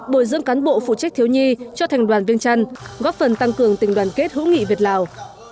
bồi dưỡng cán bộ phụ trách thiếu nhi cho thành đoàn viên chăn góp phần tăng cường tình đoàn kết hữu nghị việt lào